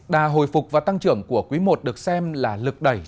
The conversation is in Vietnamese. đà hồi phục và tăng trưởng của quý một được xem là